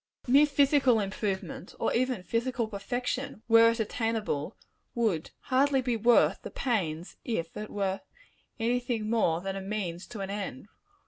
Mere physical improvement or even physical perfection, were it attainable would hardly be worth the pains, if it were any thing more than a means to an end.